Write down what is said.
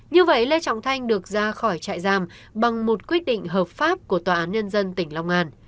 như vậy lê trọng thanh được ra khỏi trại giam bằng một quyết định hợp pháp của tòa án nhân dân tỉnh long an